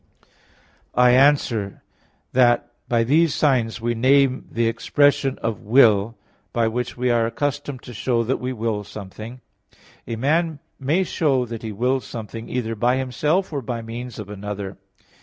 I answer that, By these signs we name the expression of will by which we are accustomed to show that we will something. A man may show that he wills something, either by himself or by means of another.